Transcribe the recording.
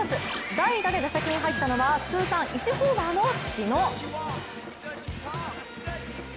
代打で打席に入ったのは通算１ホーマーの知野。